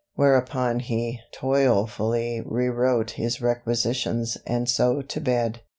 Whereupon he toilfully rewrote his requisitions 'and so to bed.'